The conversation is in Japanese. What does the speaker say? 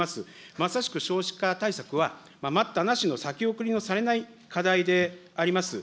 まさしく少子化対策は、待ったなしの先送りのされない課題であります。